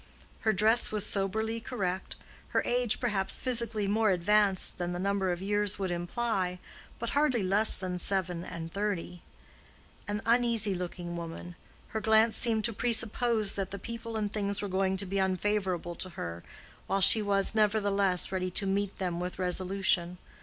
Her dress was soberly correct, her age, perhaps, physically more advanced than the number of years would imply, but hardly less than seven and thirty. An uneasy looking woman: her glance seemed to presuppose that the people and things were going to be unfavorable to her, while she was, nevertheless, ready to meet them with resolution.